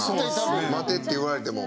待てって言われても。